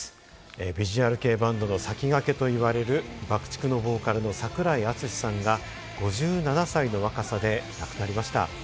ビジュアル系バンドの先駆けといわれるＢＵＣＫ−ＴＩＣＫのボーカルの櫻井敦司さんが５７歳の若さで亡くなりました。